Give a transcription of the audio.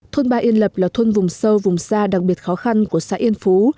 thôn ba yên lập là thôn vùng sâu vùng xa đặc biệt khó khăn của xã yên phú